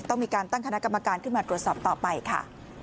ต้องมีการตั้งคณะกรรมการขึ้นมาตรวจสอบต่อไปค่ะ